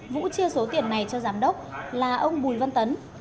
vũ chia số tiền này cho giám đốc là ông bùi văn tấn